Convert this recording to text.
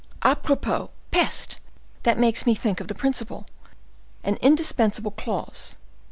A propos—peste!—that makes me think of the principal, an indispensable clause.